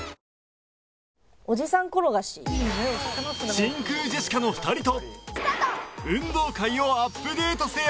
真空ジェシカの２人と運動会をアップデートせよ